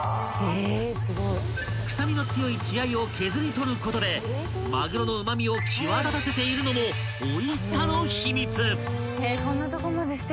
［臭みの強い血合いを削り取ることでまぐろのうま味を際立たせているのもおいしさの秘密］